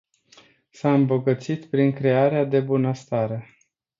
S-a îmbogățit prin crearea de bunăstare.